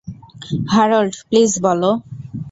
Harold, please বলো।